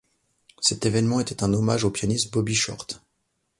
Cet événement était un hommage au pianiste Bobby Short.